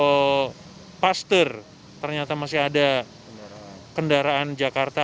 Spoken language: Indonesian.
kalau paster ternyata masih ada kendaraan jakarta